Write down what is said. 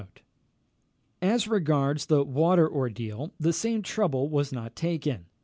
As regards the water ordeal, the same trouble was not taken.